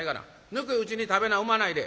ぬくいうちに食べなうまないで。